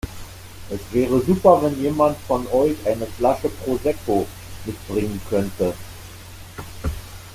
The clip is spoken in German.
Es wäre super wenn jemand von euch eine Flasche Prosecco mitbringen könnte.